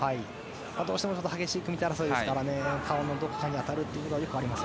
どうしても激しい組み手争いですから顔のどこかに当たるのはよくあります。